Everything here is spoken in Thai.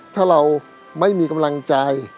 ถ้าเราไม่มีกำลังใจ